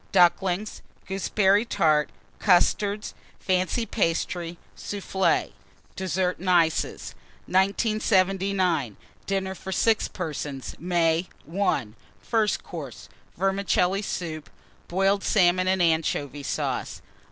Ducklings. Gooseberry Tart. Custards. Fancy Pastry. Soufflé. DESSERT AND ICES. 1979. DINNER FOR 6 PERSONS (May). I. FIRST COURSE. Vermicelli Soup. Boiled Salmon and Anchovy Sauce.